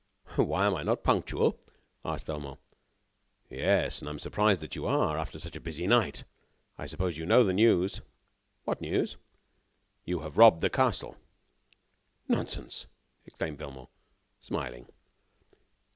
"Why, am I not punctual?" asked Velmont. "Yes, and I am surprised that you are.... after such a busy night! I suppose you know the news?" "What news?" "You have robbed the castle." "Nonsense!" exclaimed Velmont, smiling.